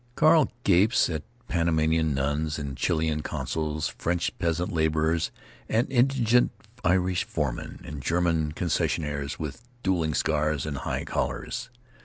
Carl gapes at Panamanian nuns and Chilean consuls, French peasant laborers and indignant Irish foremen and German concessionaries with dueling scars and high collars.